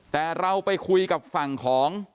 แต่เราไปคุยกับฝั่งของ